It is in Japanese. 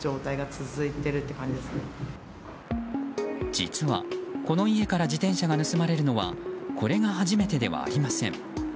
実はこの家から自転車が盗まれるのはこれが初めてではありません。